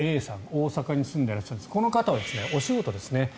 大阪に住んでいらっしゃるんですがこの方はお仕事ですね。